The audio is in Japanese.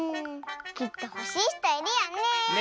きっとほしいひといるよね！ね！